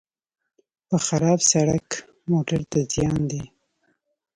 په خراب سړک موټر ته زیان دی.